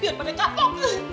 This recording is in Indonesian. biar pada capok tuh